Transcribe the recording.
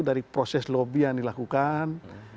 dari proses lobby yang dilakukan